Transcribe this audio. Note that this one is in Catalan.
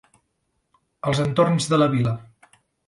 Els entorns de la vila.